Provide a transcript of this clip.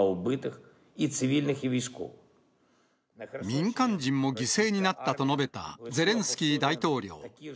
民間人も犠牲になったと述べたゼレンスキー大統領。